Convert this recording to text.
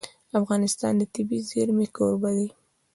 افغانستان د طبیعي زیرمې کوربه دی.